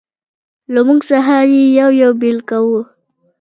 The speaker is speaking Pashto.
له موږ څخه یې یو یو بېل کاوه.